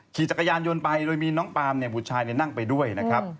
ขี่จักรยานยนต์ไปโดยมีน้องปามบุตรชายนั่งไปด้วยนะครับ